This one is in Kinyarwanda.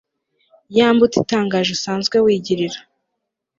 ya mbuto itangaje usanzwe wigirira